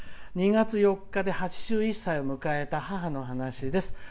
「２月４日で８１歳を迎えた母の話です。